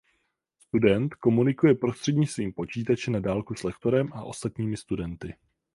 Student komunikuje prostřednictvím počítače na dálku s lektorem a ostatními studenty.